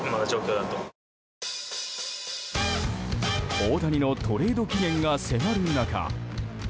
大谷のトレード期限が迫る中。